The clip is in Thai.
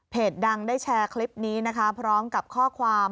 ดังได้แชร์คลิปนี้นะคะพร้อมกับข้อความ